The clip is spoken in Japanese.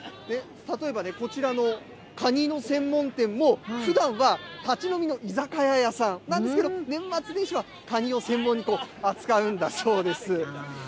例えばね、こちらのカニの専門店も、ふだんは立ち飲みの居酒屋さんなんですけど、年末年始はかにを専門に扱うんだそうです。